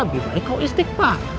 lebih baik kau istikpah